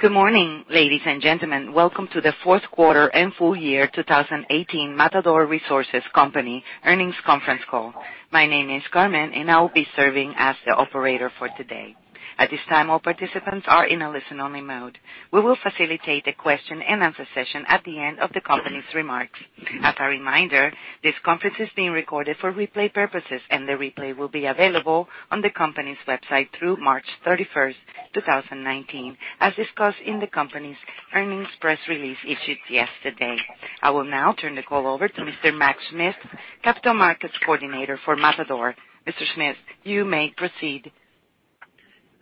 Good morning, ladies and gentlemen. Welcome to the fourth quarter and full year 2018 Matador Resources Company earnings conference call. My name is Carmen, and I will be serving as the operator for today. At this time, all participants are in a listen-only mode. We will facilitate a question and answer session at the end of the company's remarks. As a reminder, this conference is being recorded for replay purposes, and the replay will be available on the company's website through March 31st, 2019, as discussed in the company's earnings press release issued yesterday. I will now turn the call over to Mr. Mac Schmitz, Capital Markets Coordinator for Matador. Mr. Schmitz, you may proceed.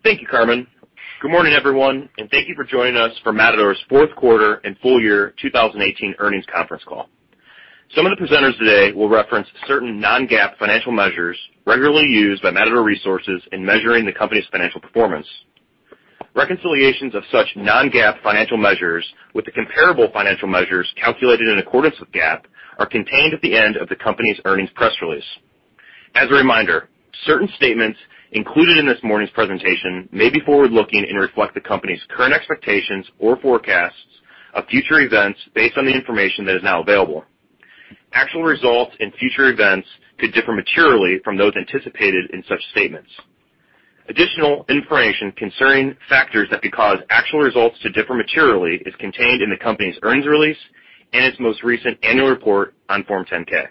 Thank you, Carmen. Good morning, everyone, and thank you for joining us for Matador's fourth quarter and full year 2018 earnings conference call. Some of the presenters today will reference certain non-GAAP financial measures regularly used by Matador Resources in measuring the company's financial performance. Reconciliations of such non-GAAP financial measures with the comparable financial measures calculated in accordance with GAAP are contained at the end of the company's earnings press release. As a reminder, certain statements included in this morning's presentation may be forward-looking and reflect the company's current expectations or forecasts of future events based on the information that is now available. Actual results in future events could differ materially from those anticipated in such statements. Additional information concerning factors that could cause actual results to differ materially is contained in the company's earnings release and its most recent annual report on Form 10-K.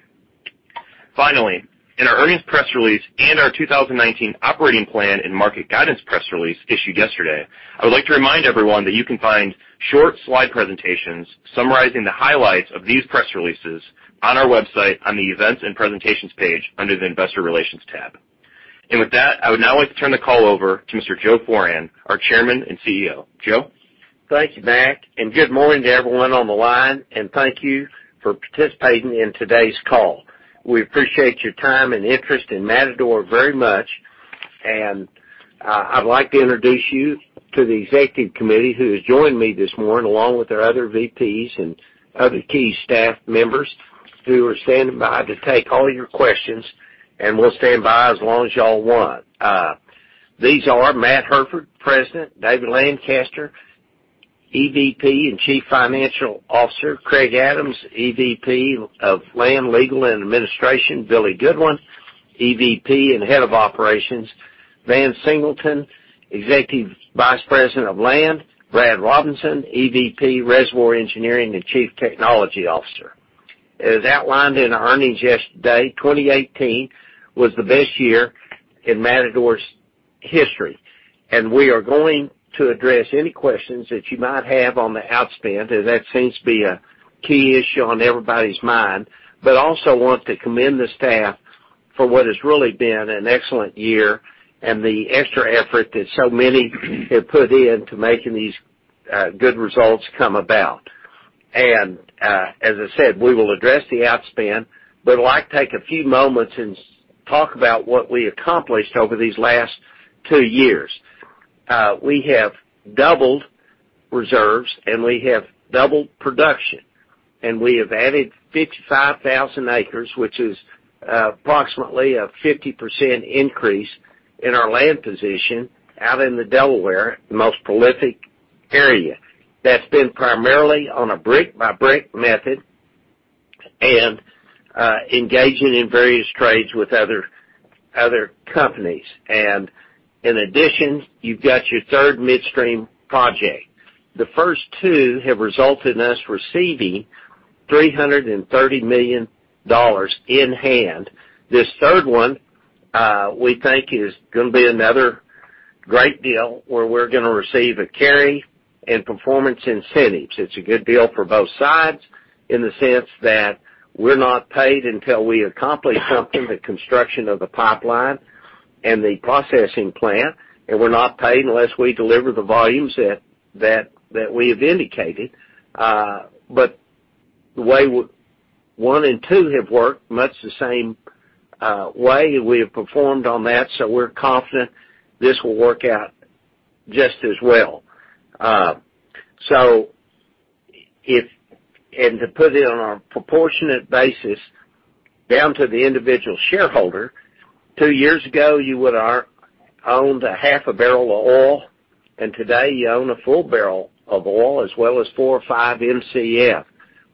Finally, in our earnings press release and our 2019 operating plan and market guidance press release issued yesterday, I would like to remind everyone that you can find short slide presentations summarizing the highlights of these press releases on our website on the Events and Presentations page under the Investor Relations tab. With that, I would now like to turn the call over to Mr. Joe Foran, our Chairman and CEO. Joe? Thank you, Mac. Good morning to everyone on the line, and thank you for participating in today's call. We appreciate your time and interest in Matador very much. I'd like to introduce you to the Executive Committee who has joined me this morning, along with our other VPs and other key staff members who are standing by to take all your questions, and we'll stand by as long as you all want. These are Matthew Hairford, President, David Lancaster, EVP and Chief Financial Officer, Craig Adams, EVP of Land, Legal, and Administration, Billy Goodwin, EVP and Head of Operations, Van Singleton, Executive Vice President of Land, Brad Robinson, EVP Reservoir Engineering, and Chief Technology Officer. As outlined in the earnings yesterday, 2018 was the best year in Matador's history. We are going to address any questions that you might have on the outspend, as that seems to be a key issue on everybody's mind. Also want to commend the staff for what has really been an excellent year and the extra effort that so many have put in to making these good results come about. As I said, we will address the outspend. I'd like to take a few moments and talk about what we accomplished over these last two years. We have doubled reserves. We have doubled production. We have added 55,000 acres, which is approximately a 50% increase in our land position out in the Delaware, the most prolific area. That's been primarily on a brick-by-brick method and engaging in various trades with other companies. In addition, you've got your third midstream project. The first two have resulted in us receiving $330 million in-hand. This third one, we think, is going to be another great deal where we're going to receive a carry and performance incentives. It's a good deal for both sides in the sense that we're not paid until we accomplish something, the construction of the pipeline and the processing plant, and we're not paid unless we deliver the volumes that we have indicated. The way one and two have worked, much the same way we have performed on that. We're confident this will work out just as well. To put it on a proportionate basis down to the individual shareholder, two years ago, you would've owned a half a barrel of oil, and today you own a full barrel of oil as well as four or five Mcf.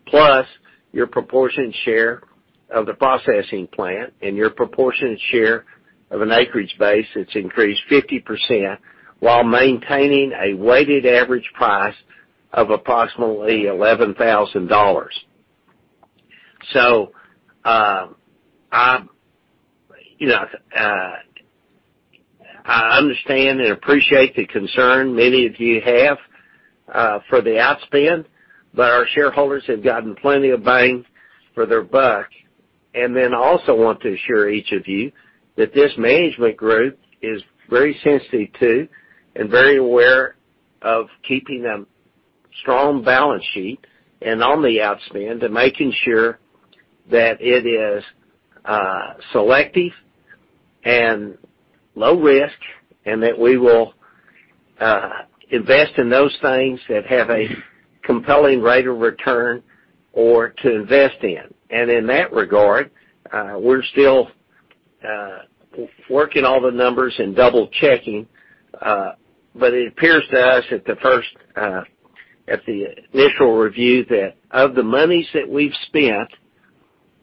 Plus, your proportionate share of the processing plant and your proportionate share of an acreage base that's increased 50% while maintaining a weighted average price of approximately $11,000. I understand and appreciate the concern many of you have for the outspend. Our shareholders have gotten plenty of bang for their buck. I also want to assure each of you that this management group is very sensitive to and very aware of keeping a strong balance sheet and on the outspend and making sure that it is selective and low risk and that we will invest in those things that have a compelling rate of return or to invest in. In that regard, we're still working all the numbers and double-checking. It appears to us at the initial review that of the monies that we've spent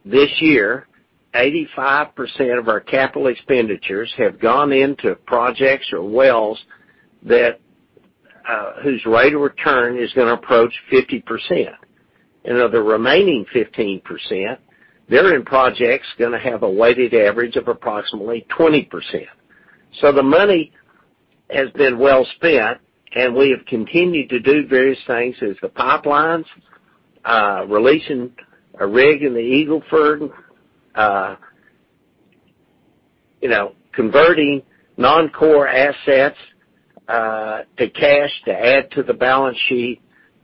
this year, 85% of our capital expenditures have gone into projects or wells whose rate of return is going to approach 50%. Of the remaining 15%, they're in projects going to have a weighted average of approximately 20%. The money has been well spent, and we have continued to do various things as the pipelines, releasing a rig in the Eagle Ford, converting non-core assets to cash to add to the balance sheet.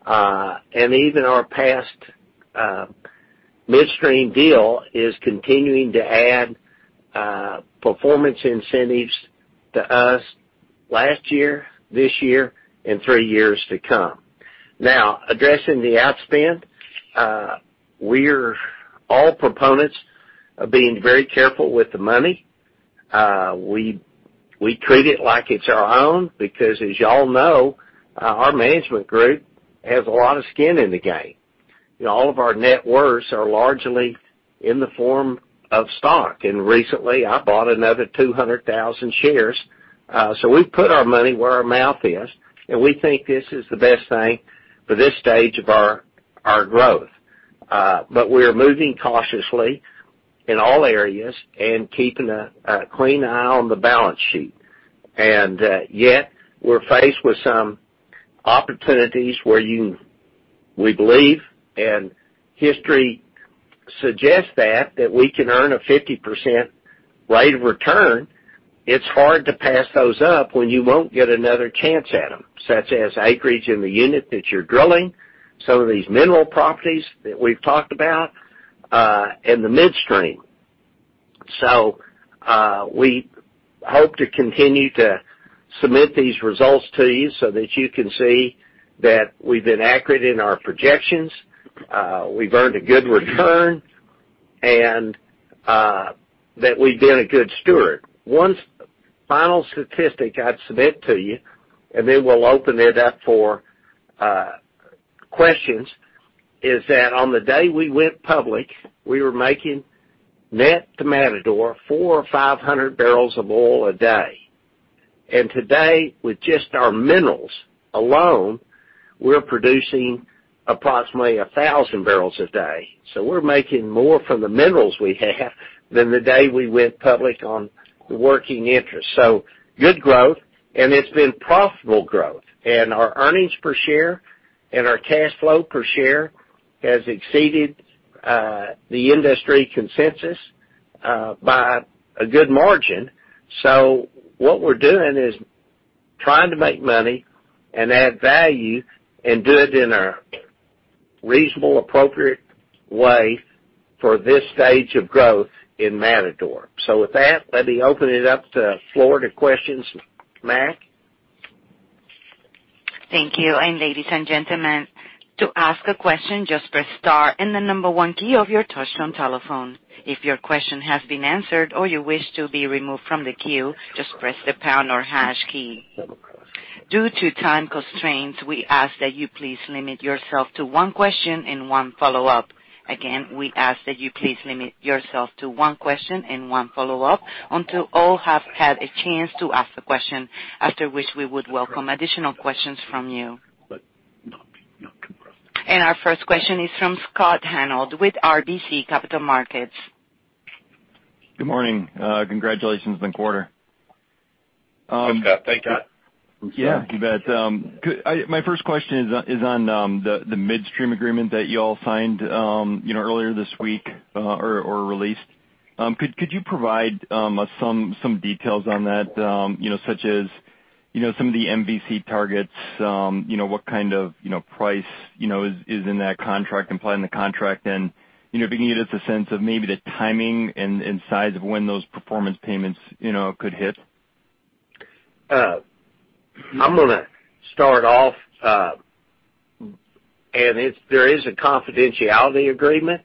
Even our past midstream deal is continuing to add performance incentives to us last year, this year, and three years to come. Addressing the outspend. We're all proponents of being very careful with the money. We treat it like it's our own, because as you all know, our management group has a lot of skin in the game, and all of our net worths are largely in the form of stock, and recently I bought another 200,000 shares. We've put our money where our mouth is, and we think this is the best thing for this stage of our growth. We are moving cautiously in all areas and keeping a clean eye on the balance sheet. Yet we're faced with some opportunities where we believe, and history suggests that, we can earn a 50% rate of return. It's hard to pass those up when you won't get another chance at them, such as acreage in the unit that you're drilling, some of these mineral properties that we've talked about, and the midstream. We hope to continue to submit these results to you so that you can see that we've been accurate in our projections, we've earned a good return, and that we've been a good steward. One final statistic I'd submit to you, and then we'll open it up for questions, is that on the day we went public, we were making, net to Matador, 400 or 500 barrels of oil a day. Today, with just our minerals alone, we're producing approximately 1,000 barrels a day. We're making more from the minerals we have than the day we went public on the working interest. Good growth, and it's been profitable growth. Our earnings per share and our cash flow per share has exceeded the industry consensus by a good margin. What we're doing is trying to make money and add value, and do it in a reasonable, appropriate way for this stage of growth in Matador. With that, let me open it up to the floor to questions. Mac? Thank you. Ladies and gentlemen, to ask a question, just press star and the number one key of your touchtone telephone. If your question has been answered or you wish to be removed from the queue, just press the pound or hash key. Due to time constraints, we ask that you please limit yourself to one question and one follow-up. Again, we ask that you please limit yourself to one question and one follow-up until all have had a chance to ask a question, after which we would welcome additional questions from you. Our first question is from Scott Hanold with RBC Capital Markets. Good morning. Congratulations on the quarter. Thank you, Scott. Yeah. My first question is on the midstream agreement that you all signed earlier this week, or released. Could you provide some details on that? Such as some of the MVC targets, what kind of price is in that contract, implied in the contract? Can you give us a sense of maybe the timing and size of when those performance payments could hit? I'm going to start off, there is a confidentiality agreement,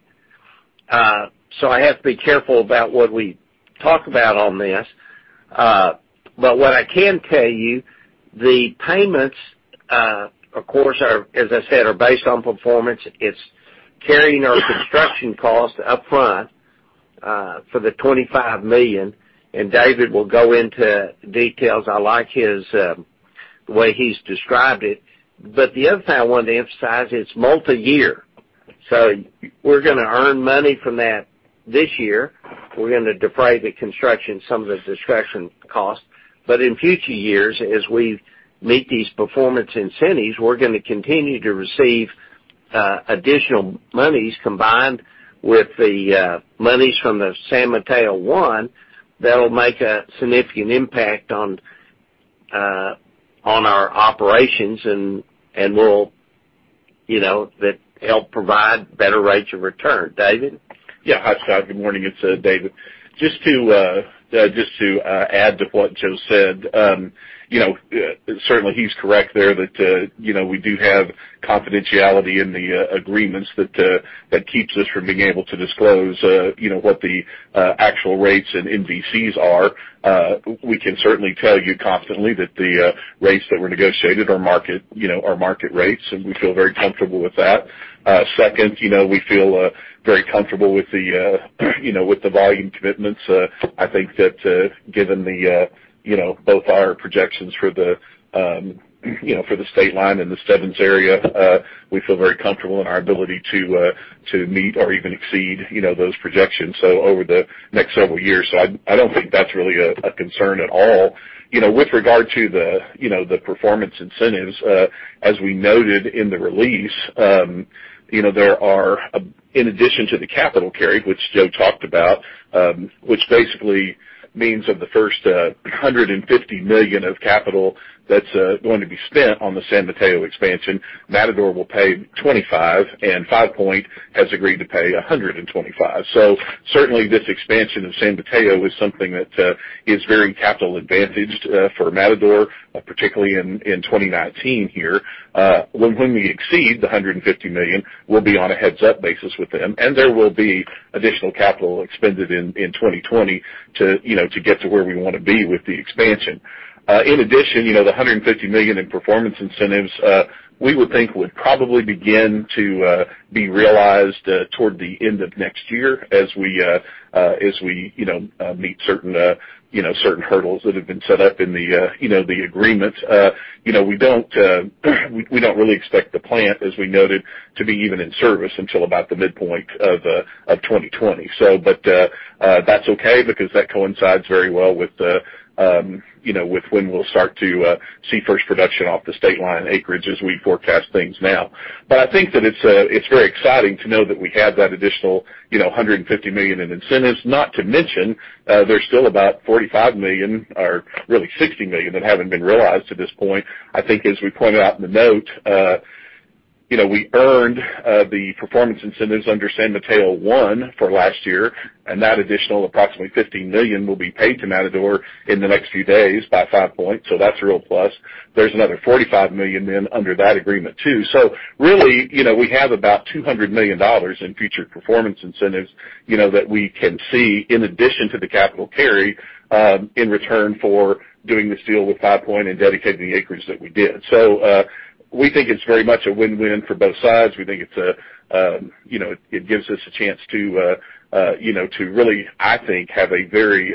so I have to be careful about what we talk about on this. What I can tell you, the payments, of course, as I said, are based on performance. It's carrying our construction cost up front for the $25 million, David will go into details. I like the way he's described it. The other thing I wanted to emphasize, it's multi-year. We're going to earn money from that this year. We're going to defray some of the construction cost. But in future years, as we meet these performance incentives, we're going to continue to receive additional monies combined with the monies from the San Mateo 1 that'll make a significant impact on our operations, and that help provide better rates of return. David? Yeah. Hi, Scott. Good morning, it's David. Just to add to what Joe said. Certainly, he's correct there that we do have confidentiality in the agreements that keeps us from being able to disclose what the actual rates and MVCs are. We can certainly tell you confidently that the rates that were negotiated are market rates, and we feel very comfortable with that. Second, we feel very comfortable with the volume commitments. I think that given both our projections for the Stateline and the Stebbins area, we feel very comfortable in our ability to meet or even exceed those projections. Over the next several years, I don't think that's really a concern at all. With regard to the performance incentives, as we noted in the release, there are, in addition to the capital carry, which Joe talked about, which basically means of the first $150 million of capital that's going to be spent on the San Mateo expansion, Matador will pay $25 million, and Five Point has agreed to pay $125 million. Certainly, this expansion of San Mateo is something that is very capital advantaged for Matador, particularly in 2019 here. When we exceed the $150 million, we'll be on a heads-up basis with them, and there will be additional capital expended in 2020 to get to where we want to be with the expansion. In addition, the $150 million in performance incentives, we would think would probably begin to be realized toward the end of next year as we meet certain hurdles that have been set up in the agreement. We don't really expect the plant, as we noted, to be even in service until about the midpoint of 2020. That's okay because that coincides very well with when we'll start to see first production off the Stateline acreage as we forecast things now. I think that it's very exciting to know that we have that additional $150 million in incentives. Not to mention, there's still about $45 million, or really $60 million, that haven't been realized at this point. I think as we pointed out in the note, we earned the performance incentives under San Mateo 1 for last year, and that additional approximately $15 million will be paid to Matador in the next few days by Five Point, so that's a real plus. There's another $45 million then under that agreement, too. Really, we have about $200 million in future performance incentives that we can see in addition to the capital carry in return for doing this deal with Five Point and dedicating the acreage that we did. We think it's very much a win-win for both sides. We think it gives us a chance to really, I think, have a very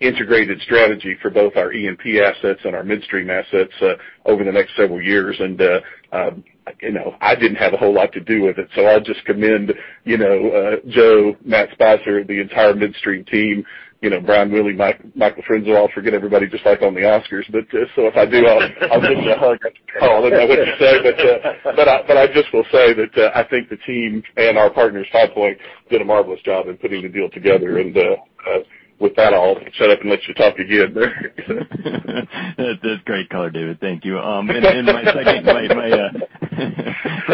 integrated strategy for both our E&P assets and our midstream assets over the next several years. I didn't have a whole lot to do with it, I'll just commend Joe, Matt Spicer, the entire midstream team, Brian J. Willey, Michael D. Frenzel. I'll forget everybody, just like on the Oscars. If I do, I'll give you a hug call, is that what you say? I just will say that I think the team and our partners, Five Point, did a marvelous job in putting the deal together. With that, I'll shut up and let you talk again. That's great color, David. Thank you. For a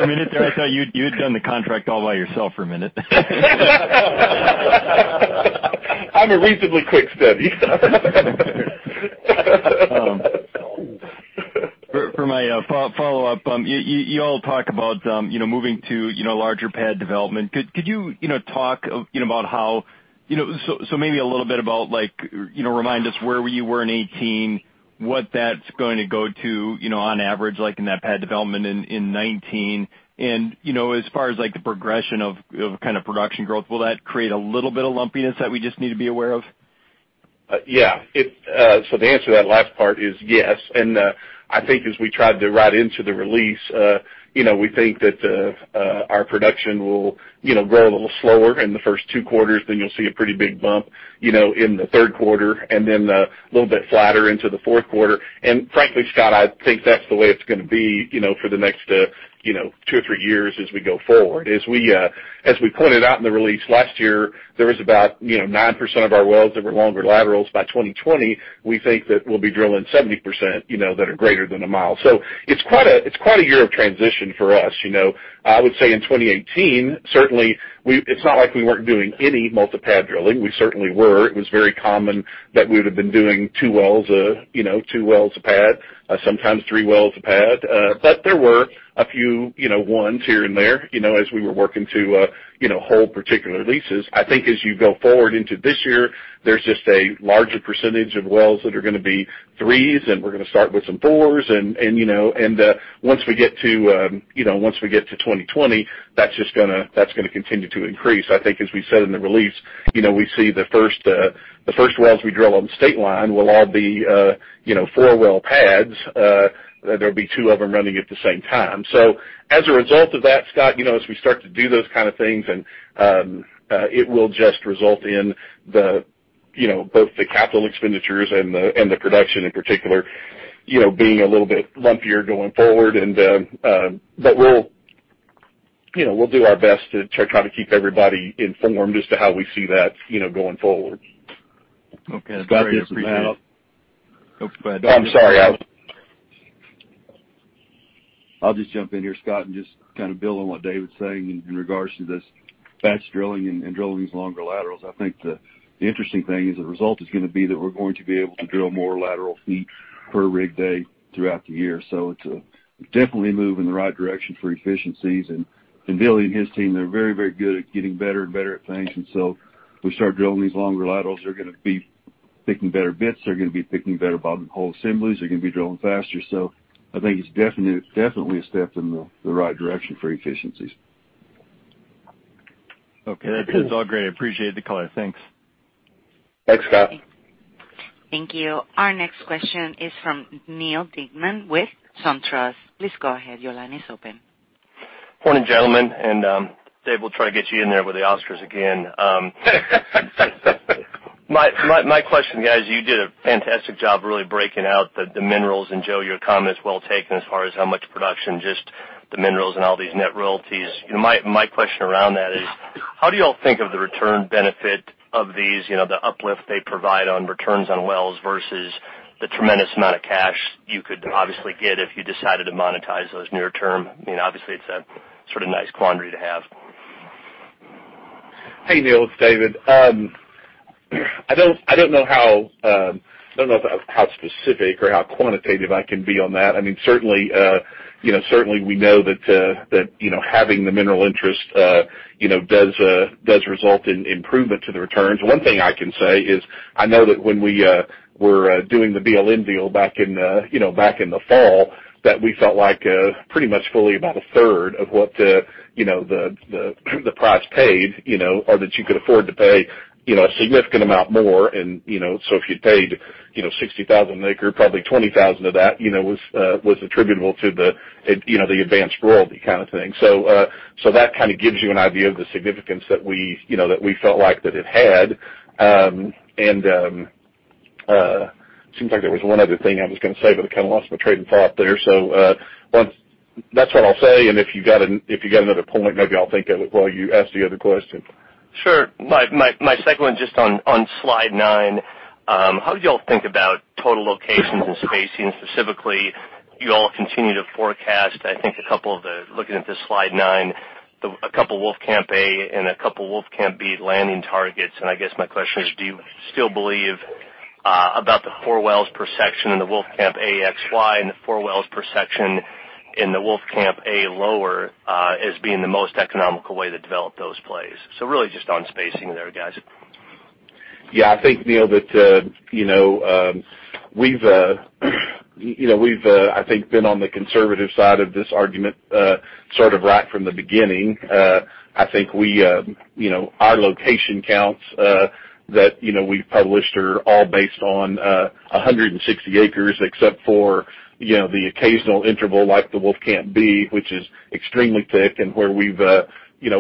minute there, I thought you'd done the contract all by yourself. I'm a reasonably quick study. For my follow-up, you all talk about moving to larger pad development. Could you talk about so maybe a little bit about remind us where you were in 2018, what that's going to go to on average in that pad development in 2019. As far as the progression of production growth, will that create a little bit of lumpiness that we just need to be aware of? Yeah. The answer to that last part is yes. I think as we tried to write into the release, we think that our production will grow a little slower in the first two quarters, then you'll see a pretty big bump in the third quarter, and then a little bit flatter into the fourth quarter. Frankly, Scott, I think that's the way it's going to be for the next two or three years as we go forward. As we pointed out in the release, last year, there was about 9% of our wells that were longer laterals. By 2020, we think that we'll be drilling 70% that are greater than a mile. It's quite a year of transition for us. I would say in 2018, certainly, it's not like we weren't doing any multi-pad drilling. We certainly were. It was very common that we would've been doing two wells a pad, sometimes three wells a pad. There were a few ones here and there as we were working to hold particular leases. I think as you go forward into this year, there's just a larger percentage of wells that are going to be threes, and we're going to start with some fours, and once we get to 2020, that's going to continue to increase. I think as we said in the release, we see the first wells we drill on the Stateline will all be four-well pads. There'll be two of them running at the same time. As a result of that, Scott, as we start to do those kind of things, it will just result in both the capital expenditures and the production in particular being a little bit lumpier going forward. We'll do our best to try to keep everybody informed as to how we see that going forward. Okay. That's great. I appreciate it. Oh, go ahead, David. I'm sorry. I'll just jump in here, Scott, and just build on what David's saying in regards to this batch drilling and drilling these longer laterals. I think the interesting thing is the result is going to be that we're going to be able to drill more lateral feet per rig day throughout the year. It's definitely a move in the right direction for efficiencies. Billy and his team, they're very good at getting better and better at things. We start drilling these longer laterals. They're going to be picking better bits. They're going to be picking better bottom hole assemblies. They're going to be drilling faster. I think it's definitely a step in the right direction for efficiencies. Okay. That's all great. I appreciate the color. Thanks. Thanks, Scott. Thank you. Our next question is from Neal Dingmann with SunTrust. Please go ahead. Your line is open. Morning, gentlemen. Dave, we'll try to get you in there with the Oscars again. My question, guys, you did a fantastic job really breaking out the minerals, and Joe, your comment is well taken as far as how much production, just the minerals and all these net royalties. My question around that is how do you all think of the return benefit of these, the uplift they provide on returns on wells versus the tremendous amount of cash you could obviously get if you decided to monetize those near term? Obviously, it's a sort of nice quandary to have. Hey, Neal, it's David. I don't know how specific or how quantitative I can be on that. Certainly we know that having the mineral interest does result in improvement to the returns. One thing I can say is I know that when we were doing the BLM deal back in the fall, that we felt like pretty much fully about a third of what the price paid or that you could afford to pay a significant amount more. So if you paid 60,000 an acre, probably 20,000 of that was attributable to the advanced royalty kind of thing. That gives you an idea of the significance that we felt like that it had. It seems like there was one other thing I was going to say, but I lost my train of thought there. That's what I'll say. If you got another point, maybe I'll think of it while you ask the other question. Sure. My second one, just on Slide Nine, how do you all think about total locations and spacing? Specifically, you all continue to forecast, I think a couple of the, looking at the Slide Nine, a couple Wolfcamp A and a couple Wolfcamp B landing targets. I guess my question is, do you still believe about the four wells per section in the Wolfcamp XY and the four wells per section in the Wolfcamp A lower as being the most economical way to develop those plays? Really just on spacing there, guys. Yeah, I think, Neal, that we've I think been on the conservative side of this argument right from the beginning. I think our location counts that we've published are all based on 160 acres, except for the occasional interval like the Wolfcamp B, which is extremely thick and where we've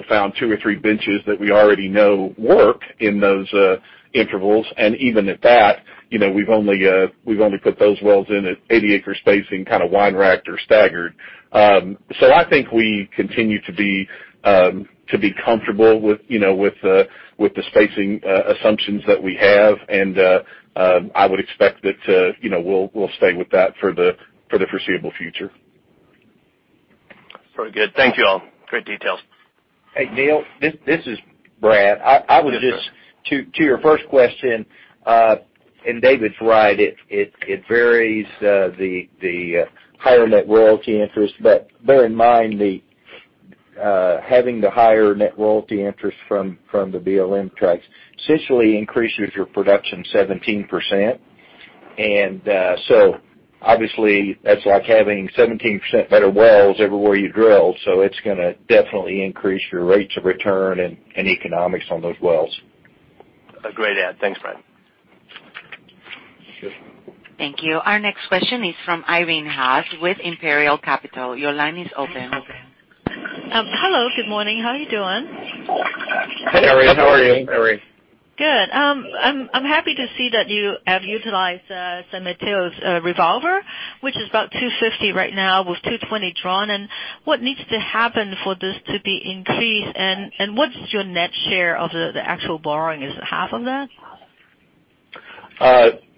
found two or three benches that we already know work in those intervals. Even at that, we've only put those wells in at 80-acre spacing, kind of wine racked or staggered. I think we continue to be comfortable with the spacing assumptions that we have, and I would expect that we'll stay with that for the foreseeable future. Very good. Thank you all. Great details. Hey, Neal, this is Brad. Yes, sir. To your first question, David's right, it varies the higher net royalty interest. Bear in mind, having the higher net royalty interest from the BLM tracts essentially increases your production 17%. Obviously, that's like having 17% better wells everywhere you drill. It's going to definitely increase your rates of return and economics on those wells. A great add. Thanks, Brad. Thank you. Our next question is from Irene Haas with Imperial Capital. Your line is open. Okay. Hello. Good morning. How are you doing? Hey, Irene. How are you? Hey, Irene. Good. I'm happy to see that you have utilized San Mateo's revolver, which is about $250 right now with $220 drawn. What needs to happen for this to be increased? What's your net share of the actual borrowing? Is it half of that?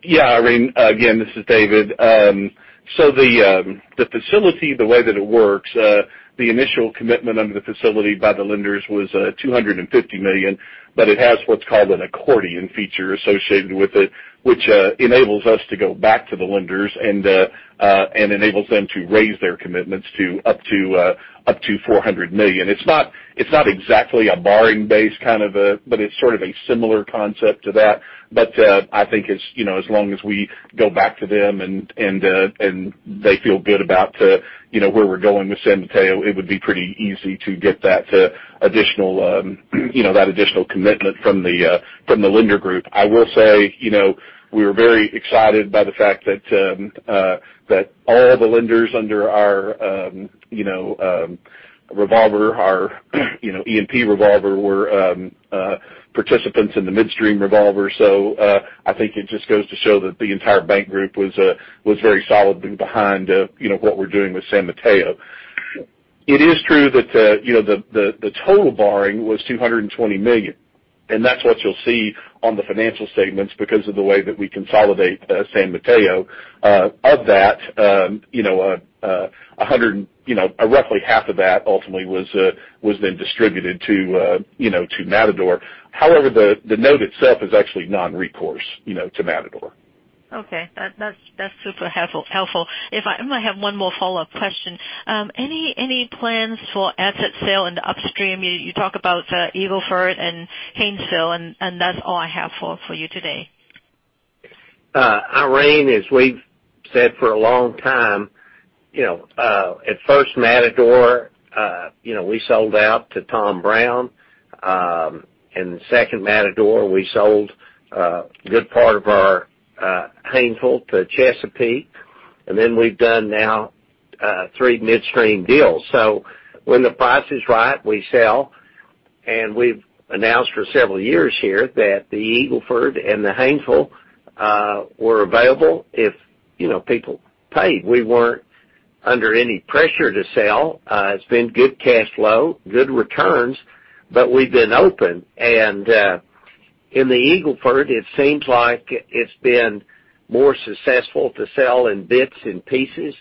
Yeah, Irene. Again, this is David. The facility, the way that it works, the initial commitment under the facility by the lenders was $250 million, but it has what's called an accordion feature associated with it, which enables us to go back to the lenders and enables them to raise their commitments to up to $400 million. It's not exactly a borrowing base, but it's sort of a similar concept to that. I think as long as we go back to them and they feel good about where we're going with San Mateo, it would be pretty easy to get that additional commitment from the lender group. I will say, we were very excited by the fact that all the lenders under our E&P revolver were participants in the midstream revolver. I think it just goes to show that the entire bank group was very solidly behind what we're doing with San Mateo. It is true that the total borrowing was $220 million. That's what you'll see on the financial statements because of the way that we consolidate San Mateo. Of that, roughly half of that ultimately was then distributed to Matador. However, the note itself is actually non-recourse to Matador. Okay. That's super helpful. I have one more follow-up question. Any plans for asset sale into upstream? You talk about the Eagle Ford and Haynesville, and that's all I have for you today. Irene, as we've said for a long time, at first Matador, we sold out to Tom Brown. In second Matador, we sold a good part of our Haynesville to Chesapeake, and then we've done now three midstream deals. When the price is right, we sell, and we've announced for several years here that the Eagle Ford and the Haynesville were available if people paid. We weren't under any pressure to sell. It's been good cash flow, good returns, but we've been open. In the Eagle Ford, it seems like it's been more successful to sell in bits and pieces,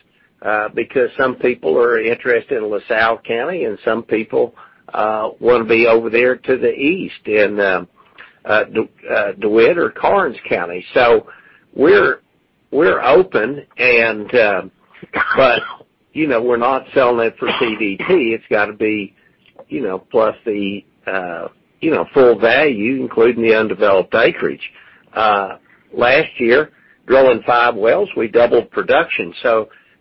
because some people are interested in La Salle County, and some people want to be over there to the east in DeWitt or Karnes County. We're open, but we're not selling it for CVT. It's got to be plus the full value, including the undeveloped acreage. Last year, drilling five wells, we doubled production.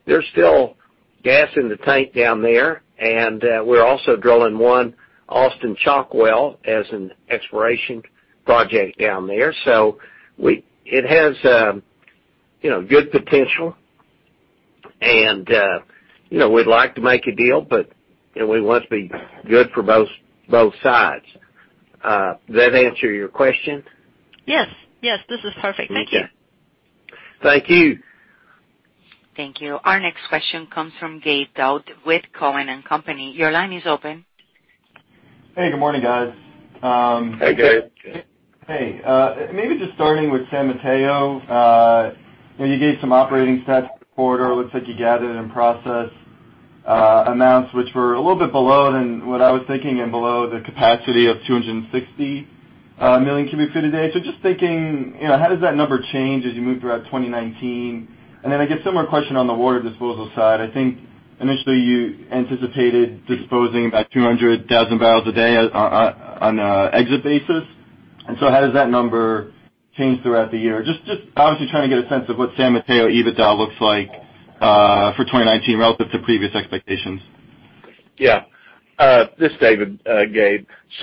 There's still gas in the tank down there, and we're also drilling one Austin Chalk well as an exploration project down there. It has good potential, and we'd like to make a deal, but we want it to be good for both sides. Does that answer your question? Yes. This is perfect. Thank you. Thank you. Thank you. Our next question comes from Gabe Daoud with Cowen and Company. Your line is open. Hey, good morning, guys. Hey, Gabe. Hey. Maybe just starting with San Mateo, you gave some operating stats for the quarter. It looks like you gathered and processed amounts which were a little bit below than what I was thinking and below the capacity of 260 million cubic feet a day. Just thinking, how does that number change as you move throughout 2019? Then I guess similar question on the water disposal side. I think initially you anticipated disposing about 200,000 barrels a day on an exit basis. How does that number change throughout the year? Just obviously trying to get a sense of what San Mateo EBITDA looks like for 2019 relative to previous expectations. Yeah. This is David, Gabe. As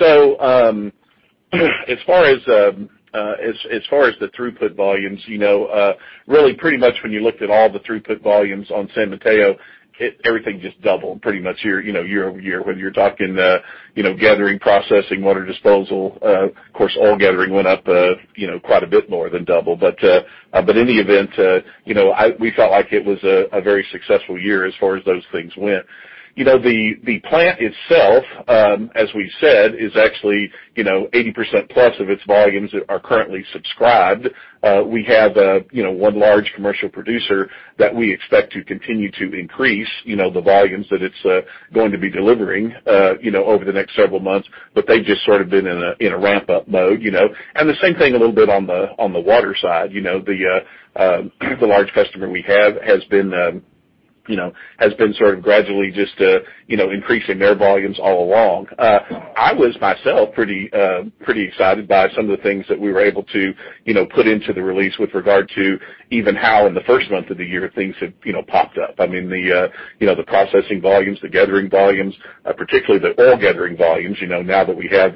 far as the throughput volumes, really pretty much when you looked at all the throughput volumes on San Mateo, everything just doubled pretty much year-over-year, whether you're talking gathering, processing, water disposal. Of course, oil gathering went up quite a bit more than double. In the event, we felt like it was a very successful year as far as those things went. The plant itself, as we've said, is actually 80%+ of its volumes are currently subscribed. We have one large commercial producer that we expect to continue to increase the volumes that it's going to be delivering over the next several months, but they've just sort of been in a ramp-up mode. The same thing a little bit on the water side. The large customer we have has been gradually just increasing their volumes all along. I was myself pretty excited by some of the things that we were able to put into the release with regard to even how in the first month of the year things have popped up. The processing volumes, the gathering volumes, particularly the oil gathering volumes, now that we have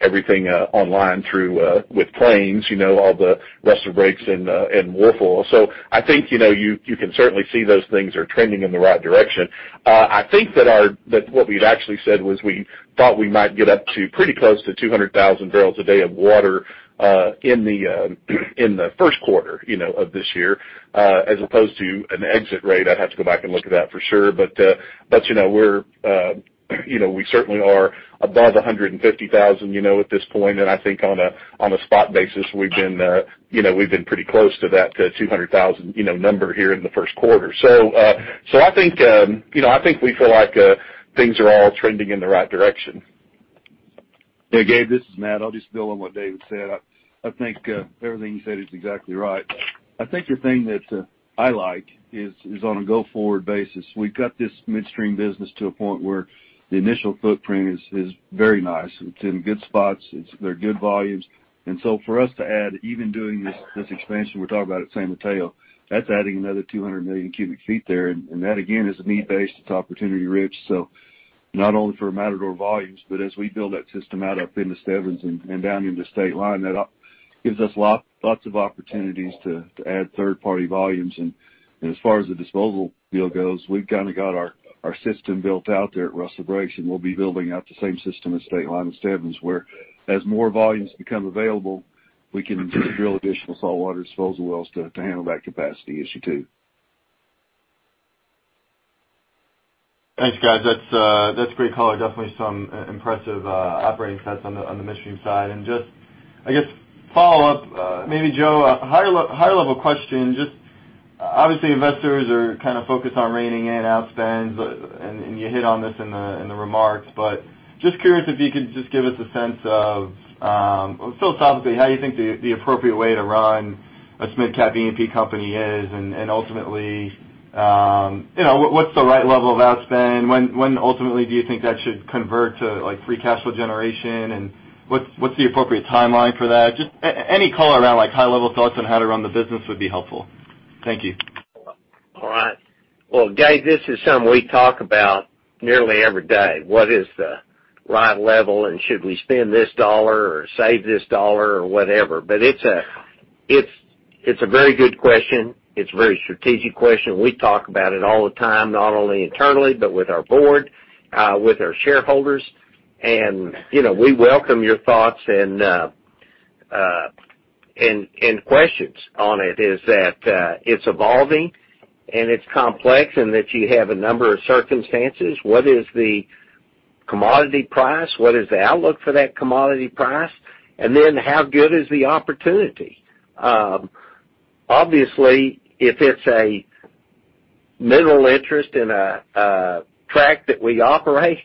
everything online through with Plains, all the Rustler Breaks and Wolfcamp. I think you can certainly see those things are trending in the right direction. I think that what we'd actually said was we thought we might get up to pretty close to 200,000 barrels a day of water in the first quarter of this year as opposed to an exit rate. I'd have to go back and look at that for sure, but we certainly are above 150,000 at this point. I think on a spot basis, we've been pretty close to that 200,000 number here in the first quarter. I think we feel like things are all trending in the right direction. Hey, Gabe, this is Matt. I will just build on what David said. I think everything you said is exactly right. I think the thing that I like is on a go-forward basis. We have got this midstream business to a point where the initial footprint is very nice. It is in good spots. They are good volumes. For us to add, even doing this expansion we are talking about at San Mateo, that is adding another 200 million cubic feet there, and that, again, is a need base. It is opportunity rich. Not only for Matador volumes, but as we build that system out up into Stebbins and down into Stateline, that gives us lots of opportunities to add third-party volumes. As far as the disposal deal goes, we have kind of got our system built out there at Rustler Breaks, we will be building out the same system at Stateline and Stebbins, where as more volumes become available, we can drill additional saltwater disposal wells to handle that capacity issue too. Thanks, guys. That is great color. Definitely some impressive operating tests on the midstream side. Just, I guess, follow-up, maybe Joe, a higher level question. Obviously investors are kind of focused on reining in outspends, you hit on this in the remarks, just curious if you could just give us a sense of, philosophically, how you think the appropriate way to run a mid-cap E&P company is, ultimately, what is the right level of outspend? When ultimately do you think that should convert to free cash flow generation, what is the appropriate timeline for that? Just any color around high-level thoughts on how to run the business would be helpful. Thank you. All right. Well, Gabe, this is something we talk about nearly every day. What is the right level, should we spend this dollar or save this dollar, or whatever? It is a very good question. It is a very strategic question. We talk about it all the time, not only internally, with our board, with our shareholders, we welcome your thoughts and questions on it, is that it is evolving, it is complex, that you have a number of circumstances. What is the commodity price? What is the outlook for that commodity price? How good is the opportunity? Obviously, if it is a mineral interest in a tract that we operate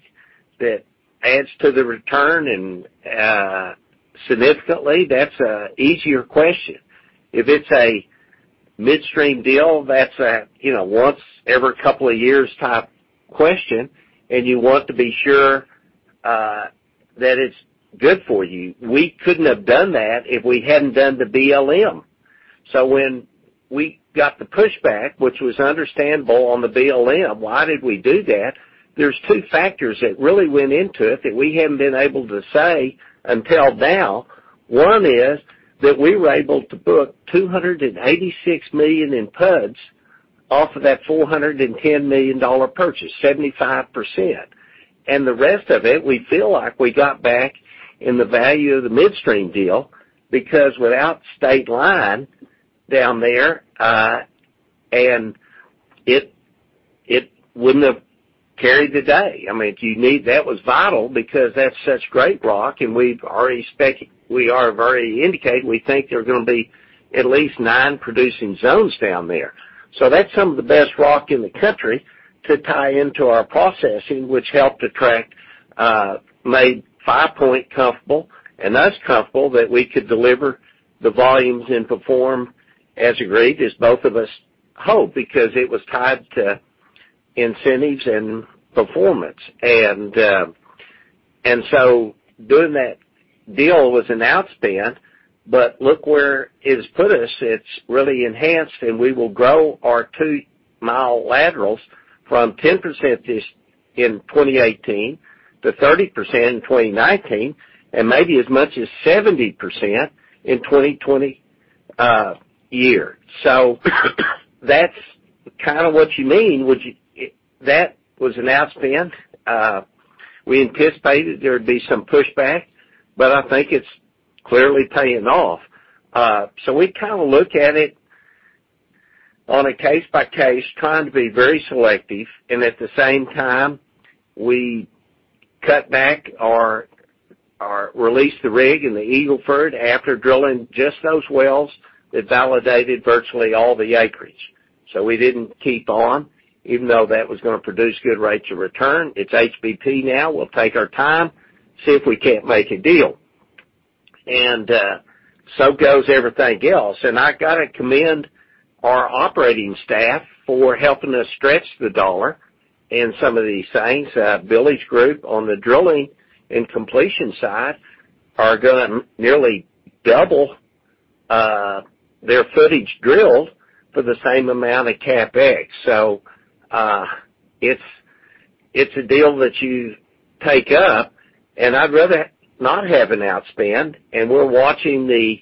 that adds to the return significantly, that is a easier question. If it is a midstream deal, that is a once every couple of years type question, you want to be sure that it is good for you. We couldn't have done that if we hadn't done the BLM. When we got the pushback, which was understandable on the BLM, why did we do that? There's two factors that really went into it that we haven't been able to say until now. One is that we were able to book $286 million in PUDs off of that $410 million purchase, 75%. The rest of it, we feel like we got back in the value of the midstream deal, because without Stateline down there, it wouldn't have carried the day. That was vital, because that's such great rock, and we are very indicated. We think there are going to be at least nine producing zones down there. That's some of the best rock in the country to tie into our processing, which helped attract, made Five Point comfortable, and us comfortable that we could deliver the volumes and perform as agreed, as both of us hoped, because it was tied to incentives and performance. Doing that deal was an outspend, look where it's put us. It's really enhanced, we will grow our two-mile laterals from 10% in 2018 to 30% in 2019, and maybe as much as 70% in 2020 year. That's kind of what you mean. That was an outspend. We anticipated there'd be some pushback, I think it's clearly paying off. We look at it on a case by case, trying to be very selective, at the same time, we cut back or released the rig in the Eagle Ford after drilling just those wells that validated virtually all the acreage. We didn't keep on, even though that was going to produce good rates of return. It's HBP now. We'll take our time, see if we can't make a deal. Goes everything else. I got to commend our operating staff for helping us stretch the dollar in some of these things. Billy's group on the drilling and completion side are going to nearly double their footage drilled for the same amount of CapEx. It's a deal that you take up, I'd rather not have an outspend, we're watching the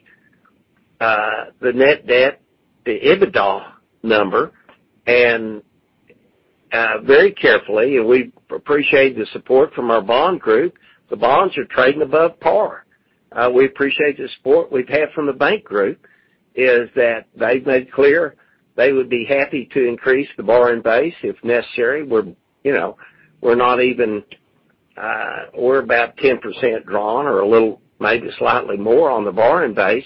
net debt, the EBITDA number very carefully, we appreciate the support from our bond group. The bonds are trading above par. We appreciate the support we've had from the bank group is that they've made clear they would be happy to increase the borrowing base if necessary. We're about 10% drawn or a little, maybe slightly more on the borrowing base.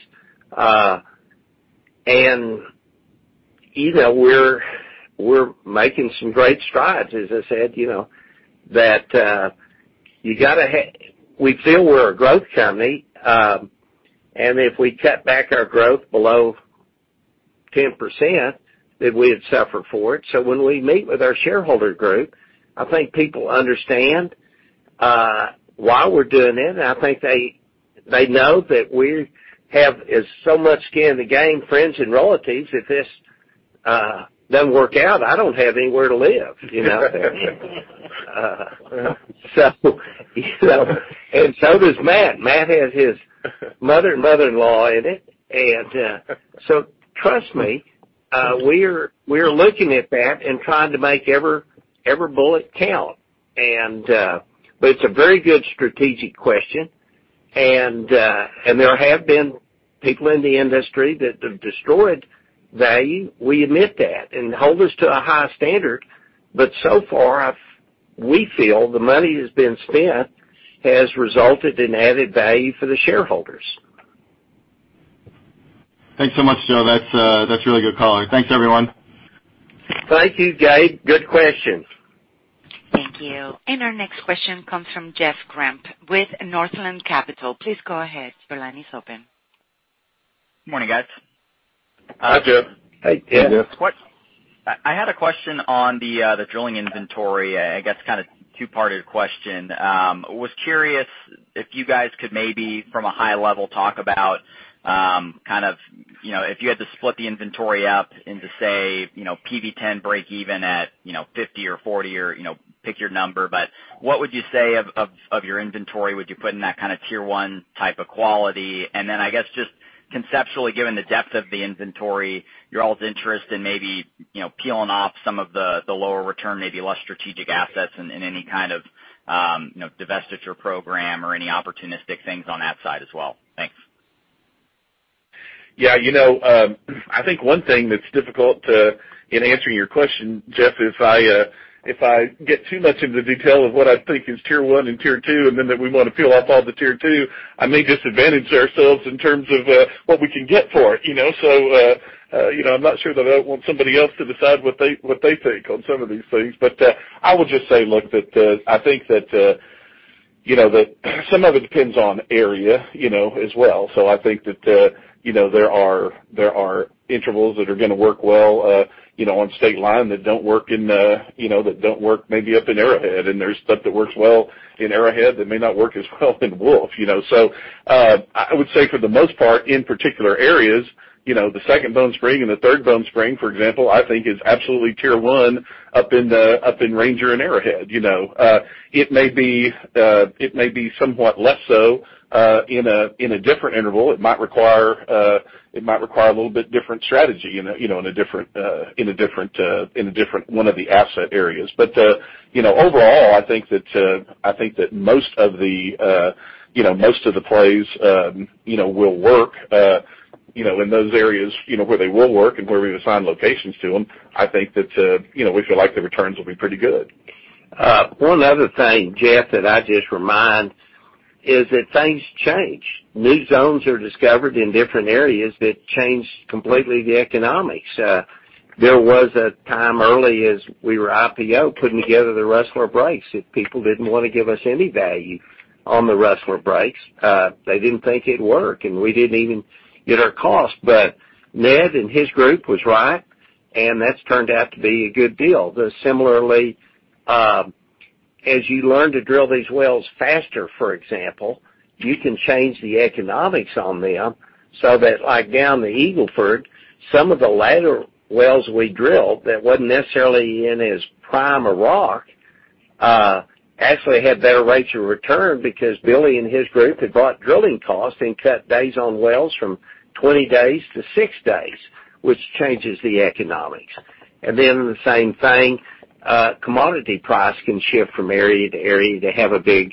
We're making some great strides, as I said. We feel we're a growth company, if we cut back our growth below 10%, we'd suffer for it. When we meet with our shareholder group, I think people understand why we're doing it, and I think they know that we have so much skin in the game, friends and relatives, if this doesn't work out, I don't have anywhere to live. Does Matt. Matt has his mother-in-law in it. Trust me, we're looking at that and trying to make every bullet count. It's a very good strategic question. There have been people in the industry that have destroyed value. We admit that, and hold us to a high standard. So far, we feel the money that's been spent has resulted in added value for the shareholders. Thanks so much, Joe. That's really good color. Thanks, everyone. Thank you, Gabe. Good questions. Thank you. Our next question comes from Jeff Grampp with Northland Capital. Please go ahead. Your line is open. Morning, guys. Hi, Jeff. Hey, Jeff. I had a question on the drilling inventory, I guess kind of two-parted question. Was curious if you guys could maybe, from a high level, talk about if you had to split the inventory up into, say, PV-10 breakeven at 50 or 40 or pick your number, but what would you say of your inventory would you put in that kind of Tier 1 type of quality? I guess just conceptually, given the depth of the inventory, your all's interest in maybe peeling off some of the lower return, maybe less strategic assets in any kind of divestiture program or any opportunistic things on that side as well. Thanks. Yeah. I think one thing that's difficult in answering your question, Jeff, if I get too much into the detail of what I think is Tier 1 and Tier 2, and then that we want to peel off all the Tier 2, I may disadvantage ourselves in terms of what we can get for it. I'm not sure that I want somebody else to decide what they think on some of these things. I will just say, look, that I think that some of it depends on area as well. I think that there are intervals that are going to work well on Stateline that don't work maybe up in Arrowhead, and there's stuff that works well in Arrowhead that may not work as well in Wolf. I would say for the most part, in particular areas, the Second Bone Spring and the Third Bone Spring, for example, I think is absolutely Tier 1 up in Ranger and Arrowhead. It may be somewhat less so in a different interval. It might require a little bit different strategy in a different one of the asset areas. Overall, I think that most of the plays will work in those areas, where they will work and where we've assigned locations to them, I think that we feel like the returns will be pretty good. One other thing, Jeff, that I just remind is that things change. New zones are discovered in different areas that change completely the economics. There was a time early as we were IPO-ing, putting together the Rustler Breaks, that people didn't want to give us any value on the Rustler Breaks. They didn't think it'd work, and we didn't even get our cost. Ned and his group was right, and that's turned out to be a good deal. Similarly, as you learn to drill these wells faster, for example, you can change the economics on them so that like down the Eagle Ford, some of the latter wells we drilled that wasn't necessarily in as prime a rock, actually had better rates of return because Billy and his group had brought drilling costs and cut days on wells from 20 days to six days, which changes the economics. The same thing, commodity price can shift from area to area to have a big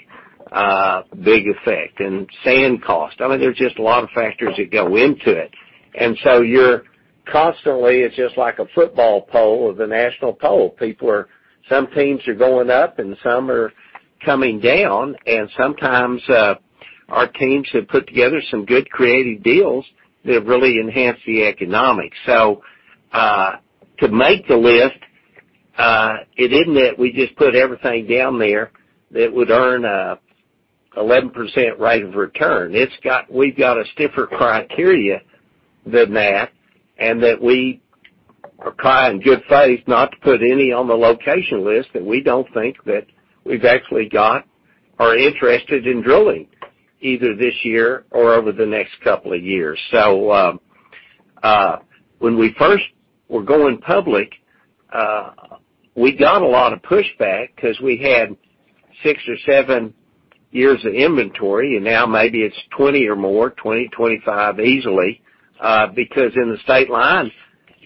effect. Sand cost. I mean, there's just a lot of factors that go into it. You're constantly, it's just like a football poll or the national poll. Some teams are going up, and some are coming down. Sometimes our teams have put together some good creative deals that really enhance the economics. To make the list, it isn't that we just put everything down there that would earn a 11% rate of return. We've got a stiffer criteria than that, and that we are trying in good faith not to put any on the location list that we don't think that we've actually got or are interested in drilling, either this year or over the next couple of years. When we first were going public, we got a lot of pushback because we had six or seven years of inventory, and now maybe it is 20 or more, 20, 25 easily. In the Stateline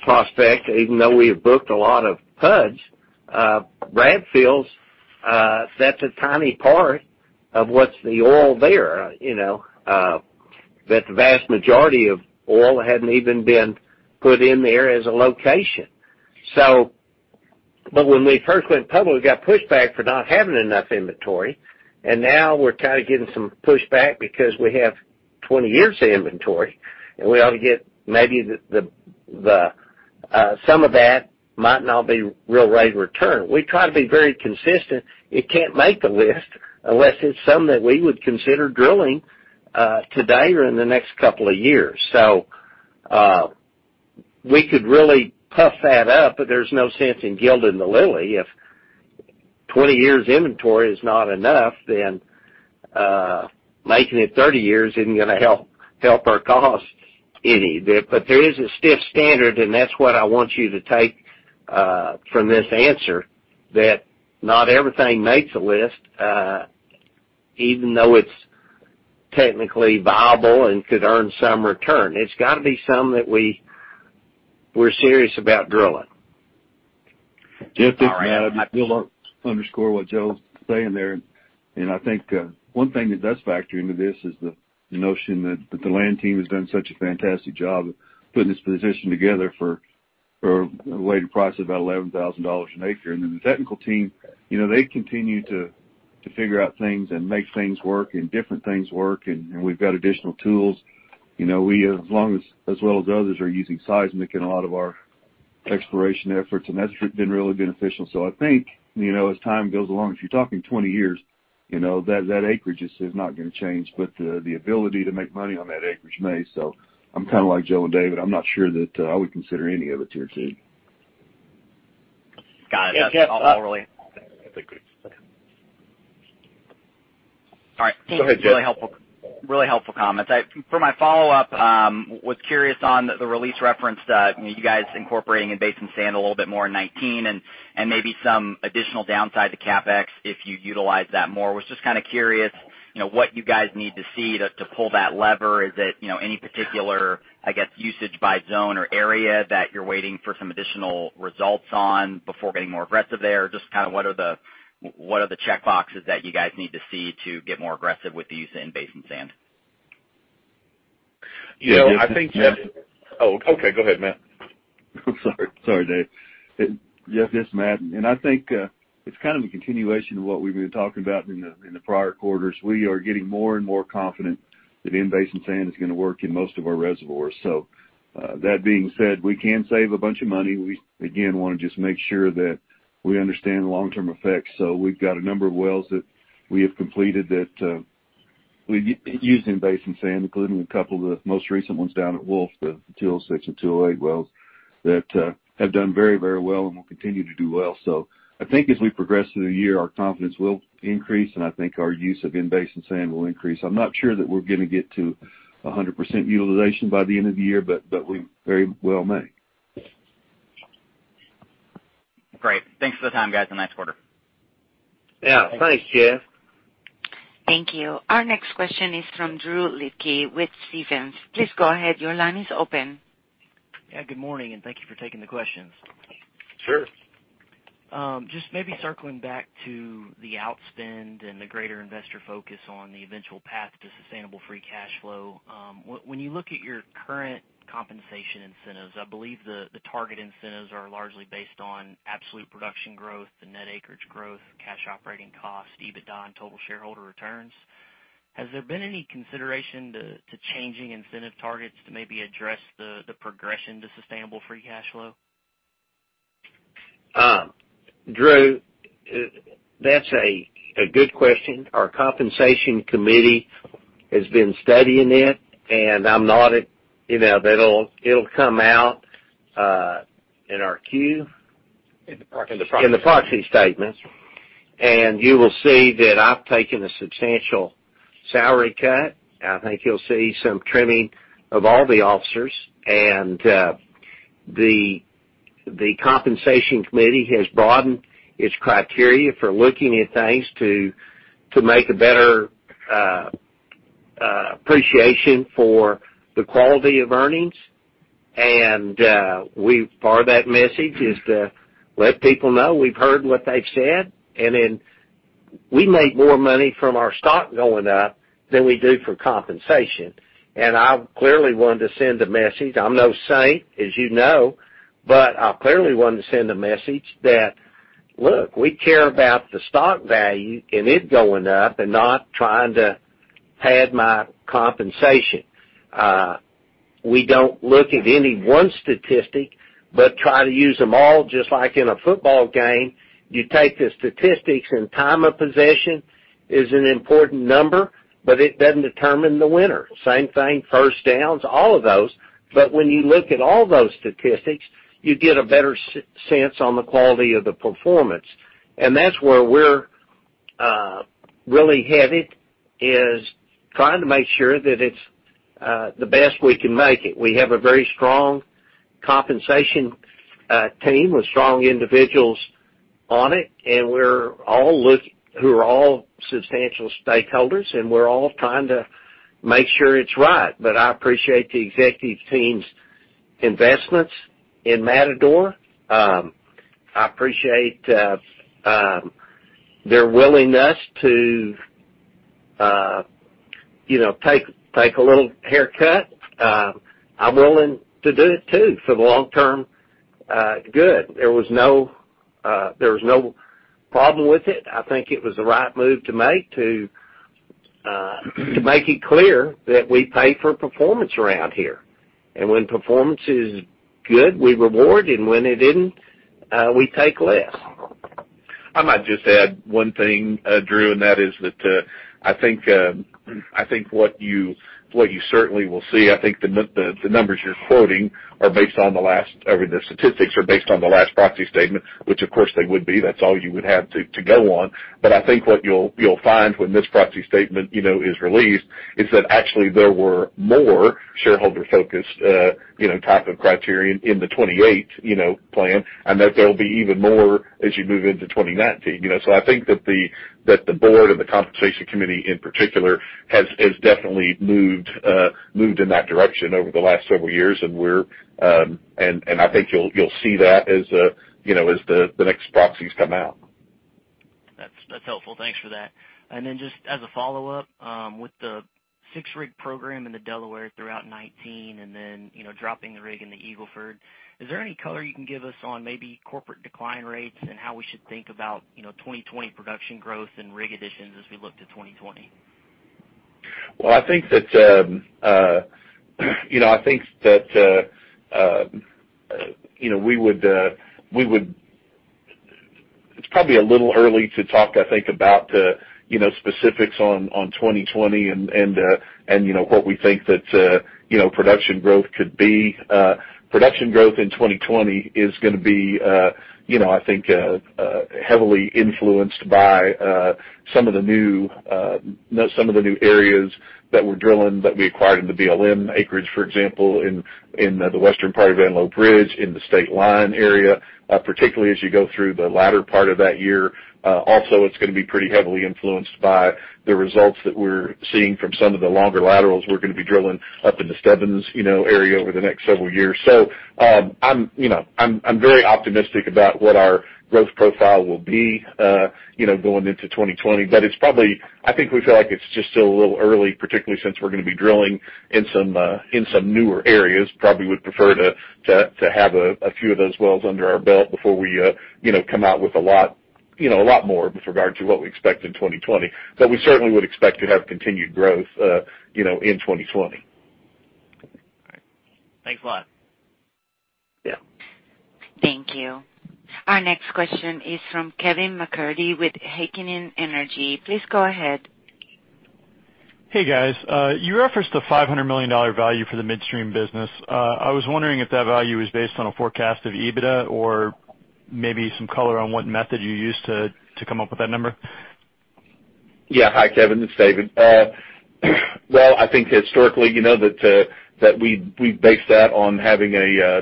prospect, even though we have booked a lot of PUDs, Bradfields, that is a tiny part of what is the oil there. The vast majority of oil hadn't even been put in there as a location. When we first went public, we got pushback for not having enough inventory, and now we are getting some pushback because we have 20 years of inventory, and we ought to get maybe some of that might not be real rate of return. We try to be very consistent. It can't make the list unless it is something that we would consider drilling today or in the next couple of years. We could really puff that up, there is no sense in gilding the lily. If 20 years inventory is not enough, making it 30 years is not going to help our cause any. There is a stiff standard, and that is what I want you to take from this answer, that not everything makes the list, even though it is technically viable and could earn some return. It has got to be something that we are serious about drilling. Jeff, I will underscore what Joe is saying there. I think one thing that does factor into this is the notion that the land team has done such a fantastic job of putting this position together for a weighted price of about $11,000 an acre. The technical team, they continue to figure out things and make things work and different things work, and we have got additional tools. We, as well as others, are using seismic in a lot of our exploration efforts, and that has been really beneficial. I think, as time goes along, if you are talking 20 years, that acreage is not going to change, but the ability to make money on that acreage may. I am kind of like Joe and David. I am not sure that I would consider any of it tier 2. Got it. Yeah, Jeff. All right. Go ahead, Jeff. Really helpful comments. For my follow-up, was curious on the release reference that you guys incorporating in-basin sand a little bit more in 2019, and maybe some additional downside to CapEx if you utilize that more. Was just kind of curious what you guys need to see to pull that lever. Is it any particular, I guess, usage by zone or area that you're waiting for some additional results on before getting more aggressive there? Just what are the checkboxes that you guys need to see to get more aggressive with the use of in-basin sand? You know, I think that. Oh, okay. Go ahead, Matt. Sorry, Dave. Yes, Matt, I think it's kind of a continuation of what we've been talking about in the prior quarters. We are getting more and more confident that in-basin sand is going to work in most of our reservoirs. That being said, we can save a bunch of money. We, again, want to just make sure that we understand the long-term effects. We've got a number of wells that we have completed that we've used in-basin sand, including a couple of the most recent ones down at Wolf, the 206 and 208 wells that have done very well, and will continue to do well. I think as we progress through the year, our confidence will increase, and I think our use of in-basin sand will increase. I'm not sure that we're going to get to 100% utilization by the end of the year, we very well may. Great. Thanks for the time, guys. A nice quarter. Yeah. Thanks, Jeff. Thank you. Our next question is from Drew Litke with Stephens. Please go ahead. Your line is open. Yeah, good morning, thank you for taking the questions. Sure. Maybe circling back to the outspend and the greater investor focus on the eventual path to sustainable free cash flow. When you look at your current compensation incentives, I believe the target incentives are largely based on absolute production growth, the net acreage growth, cash operating cost, EBITDA, and total shareholder returns. Has there been any consideration to changing incentive targets to maybe address the progression to sustainable free cash flow? Drew, that's a good question. Our compensation committee has been studying it'll come out in our Q? In the proxy. In the proxy statements. You will see that I've taken a substantial salary cut. I think you'll see some trimming of all the officers. The compensation committee has broadened its criteria for looking at things to make a better appreciation for the quality of earnings. Part of that message is to let people know we've heard what they've said, we make more money from our stock going up than we do for compensation. I've clearly wanted to send a message. I'm no saint, as you know, but I clearly wanted to send a message that, Look, we care about the stock value and it going up and not trying to pad my compensation. We don't look at any one statistic, but try to use them all. Just like in a football game, you take the statistics, time of possession is an important number, but it doesn't determine the winner. Same thing, first downs, all of those. When you look at all those statistics, you get a better sense on the quality of the performance. That's where we're really headed, is trying to make sure that it's the best we can make it. We have a very strong compensation team with strong individuals on it, who are all substantial stakeholders, and we're all trying to make sure it's right. I appreciate the executive team's investments in Matador. I appreciate their willingness to take a little haircut. I'm willing to do it too, for the long-term good. There was no problem with it. I think it was the right move to make it clear that we pay for performance around here. When performance is good, we reward, and when it isn't, we take less. I might just add one thing, Drew, that is that I think what you certainly will see, I think the numbers you're quoting, or the statistics are based on the last proxy statement, which of course they would be. That's all you would have to go on. I think what you'll find when this proxy statement is released is that actually there were more shareholder-focused type of criterion in the 2028 plan, and that there'll be even more as you move into 2019. I think that the board and the compensation committee in particular has definitely moved in that direction over the last several years, and I think you'll see that as the next proxies come out. That's helpful. Thanks for that. Then just as a follow-up, with the six-rig program in the Delaware throughout 2019, and then dropping the rig in the Eagle Ford, is there any color you can give us on maybe corporate decline rates and how we should think about 2020 production growth and rig additions as we look to 2020? Well, I think that it's probably a little early to talk, I think, about specifics on 2020 and what we think that production growth could be. Production growth in 2020 is going to be, I think, heavily influenced by some of the new areas that we're drilling, that we acquired in the BLM acreage, for example, in the western part of Antelope Ridge, in the Stateline area, particularly as you go through the latter part of that year. Also, it's going to be pretty heavily influenced by the results that we're seeing from some of the longer laterals we're going to be drilling up in the Stebbins area over the next several years. I'm very optimistic about what our growth profile will be going into 2020. I think we feel like it's just still a little early, particularly since we're going to be drilling in some newer areas. Probably would prefer to have a few of those wells under our belt before we come out with a lot more with regard to what we expect in 2020. We certainly would expect to have continued growth in 2020. All right. Thanks a lot. Yeah. Thank you. Our next question is from Kevin MacCurdy with Heikkinen Energy. Please go ahead. Hey, guys. You referenced the $500 million value for the midstream business. I was wondering if that value is based on a forecast of EBITDA or maybe some color on what method you used to come up with that number. Yeah. Hi, Kevin, it's David. Well, I think historically, that we based that on having a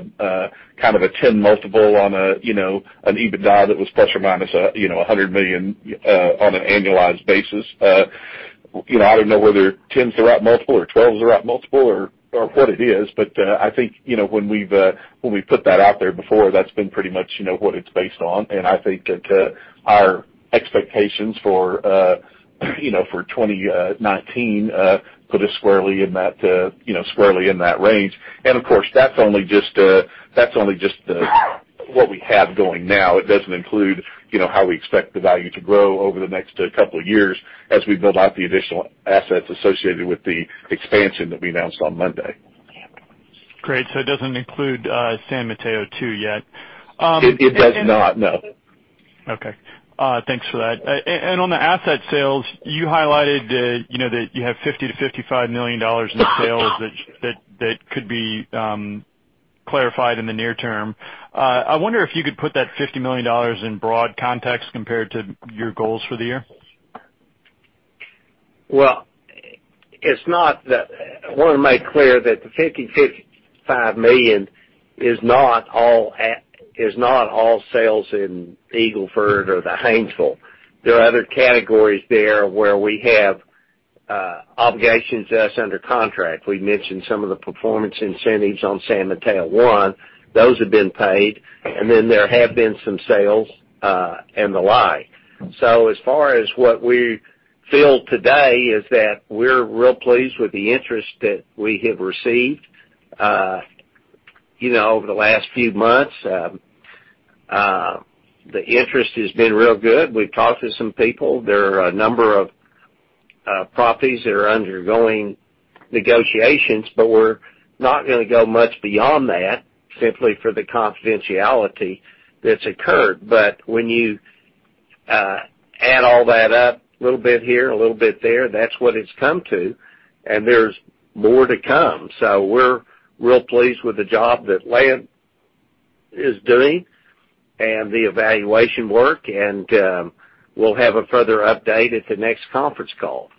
kind of a 10 multiple on an EBITDA that was plus or minus $100 million on an annualized basis. I don't know whether tens the right multiple or 12 is the right multiple or what it is, I think, when we've put that out there before, that's been pretty much what it's based on. I think that our expectations for 2019 put us squarely in that range. Of course, that's only just what we have going now. It doesn't include how we expect the value to grow over the next couple of years as we build out the additional assets associated with the expansion that we announced on Monday. Great. It doesn't include San Mateo 2 yet. It does not, no. Okay. Thanks for that. On the asset sales, you highlighted that you have $50 million-$55 million in sales that could be clarified in the near term. I wonder if you could put that $50 million in broad context compared to your goals for the year. I want to make clear that the $50 million-$55 million is not all sales in Eagle Ford or the Haynesville. There are other categories there where we have obligations that are under contract. We mentioned some of the performance incentives on San Mateo 1. Those have been paid. Then there have been some sales and the like. As far as what we feel today is that we're real pleased with the interest that we have received over the last few months. The interest has been real good. We've talked to some people. There are a number of properties that are undergoing negotiations, but we're not going to go much beyond that simply for the confidentiality that's occurred. When you add all that up, a little bit here, a little bit there, that's what it's come to, and there's more to come. We're real pleased with the job that Land is doing and the evaluation work, and we'll have a further update at the next conference call.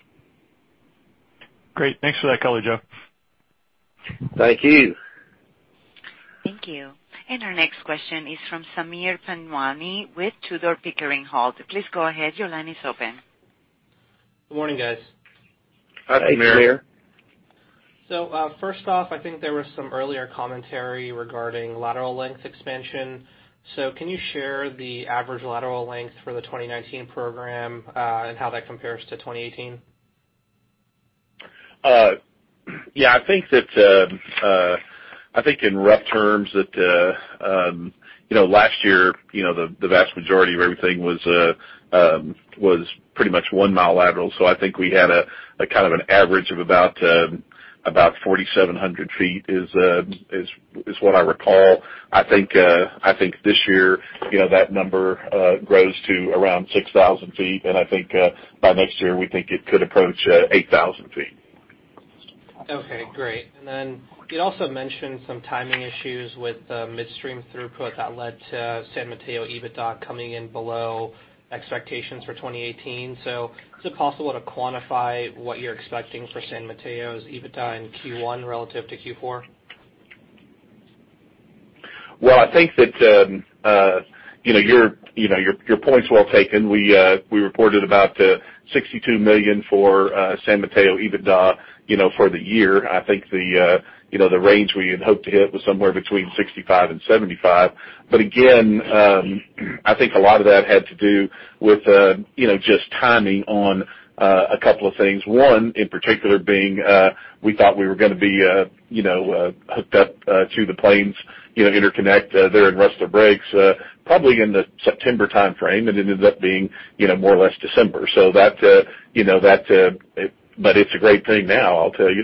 Great. Thanks for that color, Joe. Thank you. Thank you. Our next question is from Sameer Panjwani with Tudor, Pickering, Holt. Please go ahead. Your line is open. Good morning, guys. Hi, Sameer. Hi, Sameer. First off, I think there was some earlier commentary regarding lateral length expansion. Can you share the average lateral length for the 2019 program, and how that compares to 2018? I think in rough terms that last year, the vast majority of everything was pretty much one-mile lateral. I think we had a kind of an average of about 4,700 feet is what I recall. This year that number grows to around 6,000 feet, by next year, we think it could approach 8,000 feet. Okay, great. You also mentioned some timing issues with the midstream throughput that led to San Mateo EBITDA coming in below expectations for 2018. Is it possible to quantify what you're expecting for San Mateo's EBITDA in Q1 relative to Q4? Well, I think that your point's well taken. We reported about $62 million for San Mateo EBITDA for the year. I think the range we had hoped to hit was somewhere between $65 million and $75 million. Again, I think a lot of that had to do with just timing on a couple of things. One, in particular, being we thought we were going to be hooked up to the Plains interconnect there in Rustler Breaks probably in the September timeframe, and it ended up being more or less December. It's a great thing now, I'll tell you.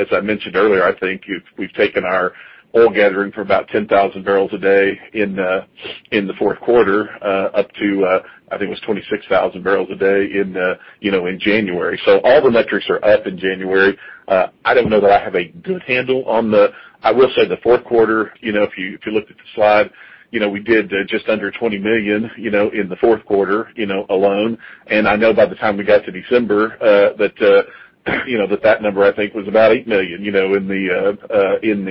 As I mentioned earlier, I think we've taken our oil gathering for about 10,000 barrels a day in the fourth quarter up to, I think it was 26,000 barrels a day in January. All the metrics are up in January. I don't know that I have a good handle on the I will say the fourth quarter, if you looked at the slide, we did just under $20 million in the fourth quarter alone. I know by the time we got to December, that number, I think, was about $8 million in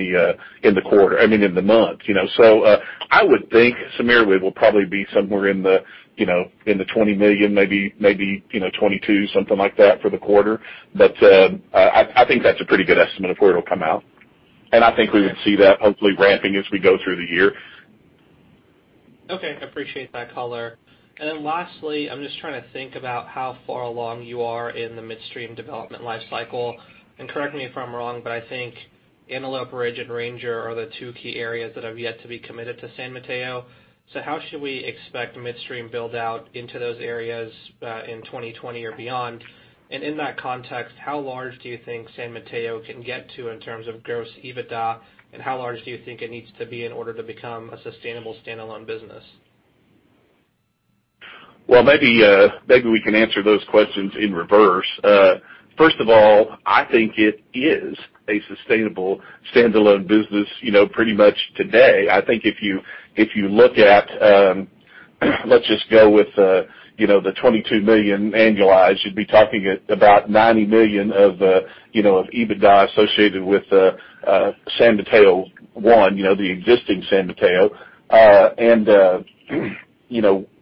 the quarter I mean, in the month. I would think, Sameer, we will probably be somewhere in the $20 million, maybe $22 million, something like that, for the quarter. I think that's a pretty good estimate of where it'll come out. I think we would see that hopefully ramping as we go through the year. Okay. I appreciate that color. Lastly, I'm just trying to think about how far along you are in the midstream development life cycle. Correct me if I'm wrong, but I think Antelope Ridge and Ranger are the two key areas that have yet to be committed to San Mateo. How should we expect midstream build-out into those areas, in 2020 or beyond? In that context, how large do you think San Mateo can get to in terms of gross EBITDA, and how large do you think it needs to be in order to become a sustainable standalone business? Well, maybe we can answer those questions in reverse. First of all, I think it is a sustainable standalone business pretty much today. I think if you look at, let's just go with the $22 million annualized, you'd be talking at about $90 million of EBITDA associated with San Mateo-1, the existing San Mateo.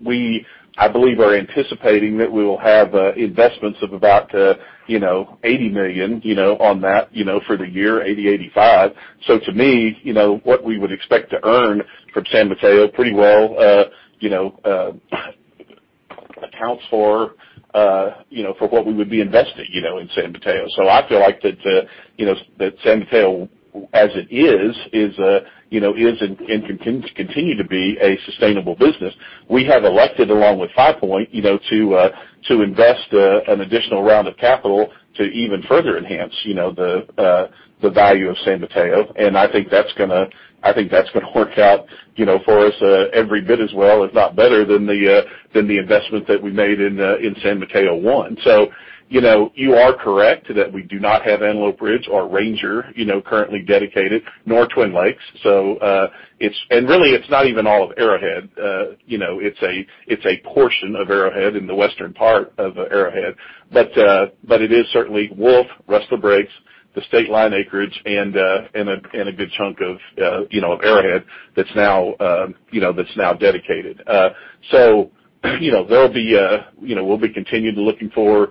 We, I believe, are anticipating that we will have investments of about $80 million on that for the year, $80 million, $85 million. To me, what we would expect to earn from San Mateo pretty well accounts for what we would be investing in San Mateo. I feel like that San Mateo, as it is, continues to be a sustainable business. We have elected, along with Five Point, to invest an additional round of capital to even further enhance the value of San Mateo. I think that's going to work out for us every bit as well, if not better than the investment that we made in San Mateo-1. You are correct that we do not have Antelope Ridge or Ranger currently dedicated, nor Twin Lakes. Really, it's not even all of Arrowhead. It's a portion of Arrowhead in the western part of Arrowhead. It is certainly Wolf, Rustler Breaks, the Stateline acreage, and a good chunk of Arrowhead that's now dedicated. We'll be continuing looking for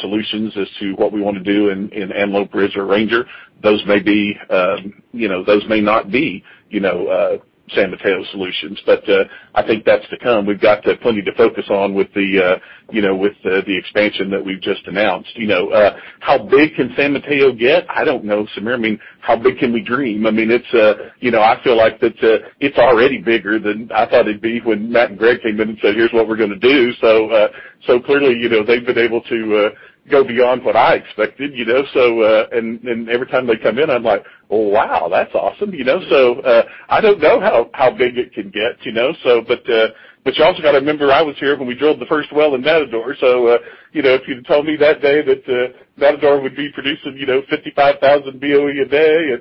solutions as to what we want to do in Antelope Ridge or Ranger. Those may not be San Mateo solutions. I think that's to come. We've got plenty to focus on with the expansion that we've just announced. How big can San Mateo get? I don't know, Sameer. How big can we dream? I feel like that it's already bigger than I thought it'd be when Matt and Gregg came in and said, "Here's what we're going to do." Clearly, they've been able to go beyond what I expected. Every time they come in, I'm like, "Wow, that's awesome." I don't know how big it can get. You also got to remember, I was here when we drilled the first well in Matador. If you'd told me that day that Matador would be producing 55,000 BOE a day,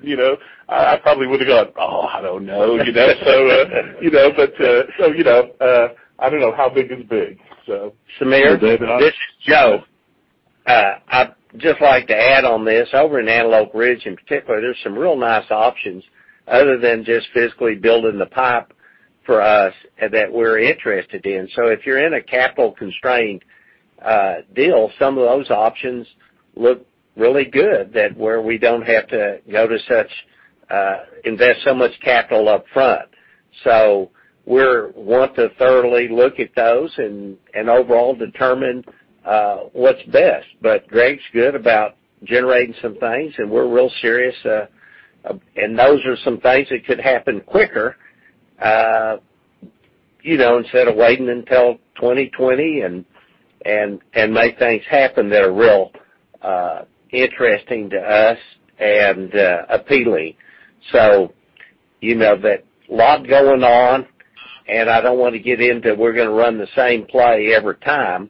I probably would've gone, "Oh, I don't know." I don't know how big is big. Sameer? This is Joe. I'd just like to add on this. Over in Antelope Ridge, in particular, there's some real nice options other than just physically building the pipe for us that we're interested in. If you're in a capital-constrained deal, some of those options look really good that where we don't have to invest so much capital up front. We want to thoroughly look at those and overall determine what's best. Gregg's good about generating some things, and we're real serious. Those are some things that could happen quicker, instead of waiting until 2020, and make things happen that are real interesting to us and appealing. A lot going on, and I don't want to get into, we're going to run the same play every time.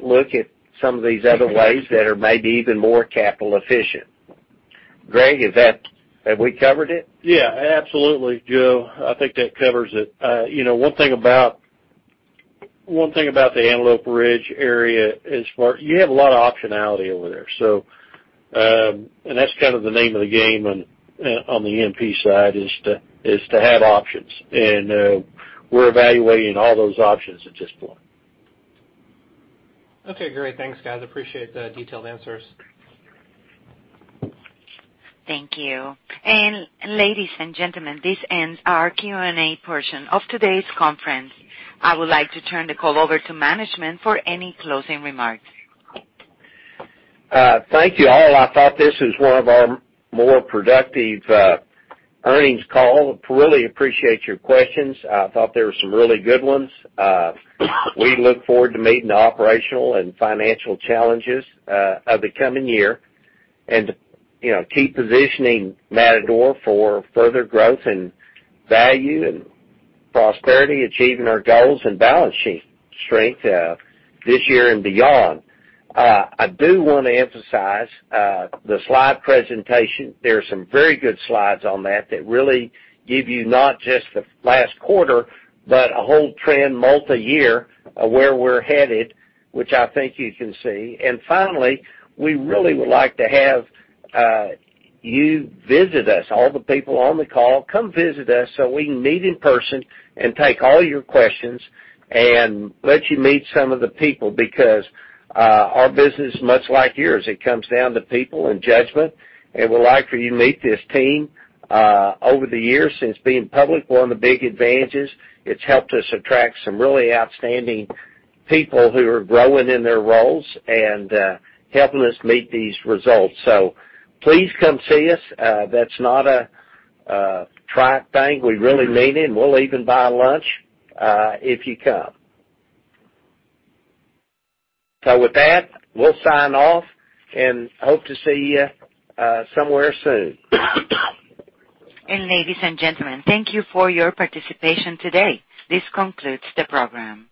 Look at some of these other ways that are maybe even more capital efficient. Gregg, have we covered it? Yeah, absolutely, Joe. I think that covers it. One thing about the Antelope Ridge area is you have a lot of optionality over there. That's the name of the game on the E&P side is to have options. We're evaluating all those options at this point. Okay, great. Thanks, guys. Appreciate the detailed answers. Thank you. Ladies and gentlemen, this ends our Q&A portion of today's conference. I would like to turn the call over to management for any closing remarks. Thank you, all. I thought this was one of our more productive earnings call. Really appreciate your questions. I thought there were some really good ones. We look forward to meeting the operational and financial challenges of the coming year and keep positioning Matador for further growth and value and prosperity, achieving our goals and balance sheet strength this year and beyond. I do want to emphasize the slide presentation. There are some very good slides on that really give you not just the last quarter, but a whole trend multi-year of where we're headed, which I think you can see. Finally, we really would like to have you visit us, all the people on the call. Come visit us so we can meet in person and take all your questions and let you meet some of the people, because our business, much like yours, it comes down to people and judgment, and we'd like for you to meet this team. Over the years, since being public, one of the big advantages, it's helped us attract some really outstanding people who are growing in their roles and helping us meet these results. Please come see us. That's not a trite thing. We really mean it, and we'll even buy lunch if you come. With that, we'll sign off and hope to see you somewhere soon. Ladies and gentlemen, thank you for your participation today. This concludes the program.